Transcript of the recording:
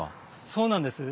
そうなんです。